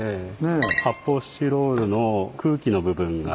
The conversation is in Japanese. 発泡スチロールの空気の部分が。